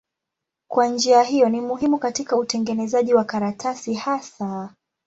Kwa njia hiyo ni muhimu katika utengenezaji wa karatasi hasa.